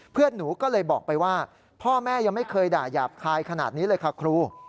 เพื่อนหนูก็เลยบอกไปว่าพ่อแม่ยังไม่เคยด่าหยาบคายขนาดนี้เลยค่ะครู